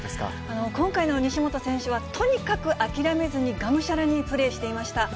今回の西本選手は、とにかく諦めずにがむしゃらにプレーしていました。